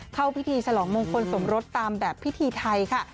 เข้าพิธีฉลองมงคลสมรสตามแบบพิธีไทยค่ะ